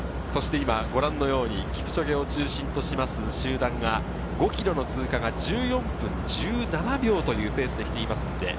キプチョゲを中心とする集団が５ｋｍの通過が１４分１７秒というペースで来ています。